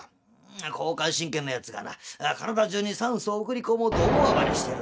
「交感神経のやつがな体中に酸素を送り込もうと大暴れしてるんだ。